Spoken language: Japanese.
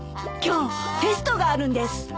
今日テストがあるんです。